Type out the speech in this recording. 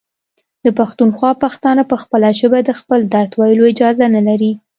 د پښتونخوا پښتانه په خپله ژبه د خپل درد ویلو اجازه نلري.